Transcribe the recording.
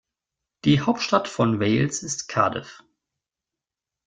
Die Hauptstadt von Wales ist Cardiff.